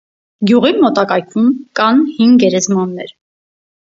Գյուղի մոտակայքում կան հին գերեզմաններ։